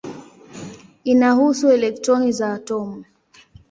Inahusu elektroni za atomu.